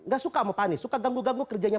gak suka sama pak anies suka ganggu ganggu kerjanya